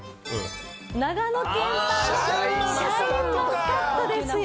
長野県産のシャインマスカットですよ。